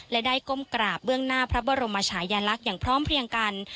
และได้ก้มกราบเบื้องหน้าพระบรมชายลักษณ์อย่างพร้อมเพลียงกัน